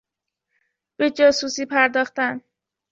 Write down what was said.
به جاسوسی پرداختن